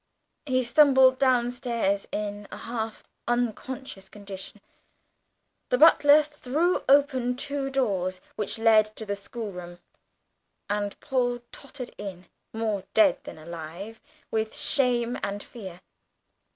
He stumbled downstairs in a half unconscious condition, the butler threw open the two doors which led to the schoolroom, and Paul tottered in, more dead than alive with shame and fear.